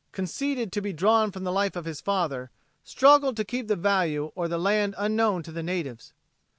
] conceded to be drawn from the life of his father, struggle to keep the value or the land unknown to the "natives."